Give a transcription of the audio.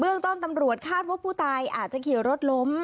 ต้นตำรวจคาดว่าผู้ตายอาจจะเขียวรถล้ม